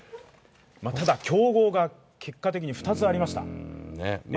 ただ、競合が結果的に２つありました。